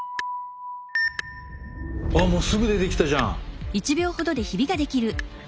ああもうすぐ出てきたじゃん！